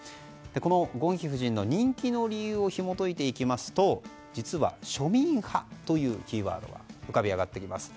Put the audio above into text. このゴンヒ夫人の人気の理由をひも解いていきますと実は庶民派というキーワードが浮かび上がってきます。